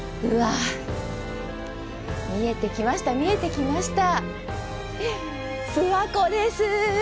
うわあ見えてきました、見えてきました諏訪湖です。